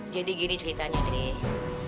jadi gini ceritanya drei